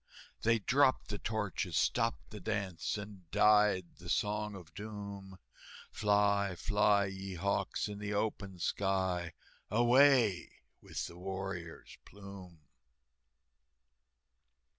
They dropped the torches, stopped the dance, And died the Song of Doom, "Fly, fly, ye hawks, in the open sky, Away with the warrior's plume!"